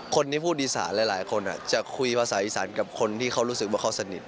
คนที่พูดอีสานหลายคนจะคุยภาษาอีสานกับคนที่เขารู้สึกว่าเขาสนิท